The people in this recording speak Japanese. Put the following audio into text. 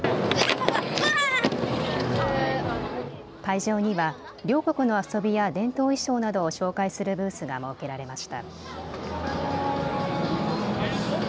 会場には両国の遊びや伝統衣装などを紹介するブースが設けられました。